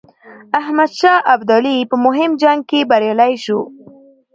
احمدشاه ابدالي په مهم جنګ کې بریالی شو.